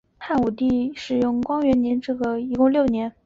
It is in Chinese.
汉武帝使用元光这个年号一共六年。